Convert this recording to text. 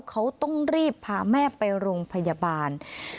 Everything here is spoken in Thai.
เขาต้องรีบพาแม่ไปโรงพยาบาล